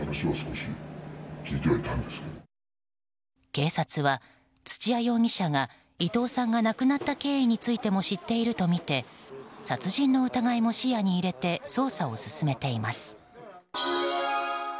警察は、土屋容疑者が伊藤さんが亡くなった経緯についても知っているとみて殺人の疑いも視野に入れて捜査を進めています。